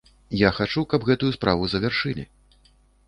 Я хачу, каб гэтую справу завяршылі.